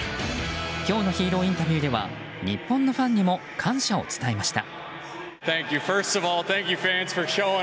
今日のヒーローインタビューでは日本のファンにも感謝を伝えました。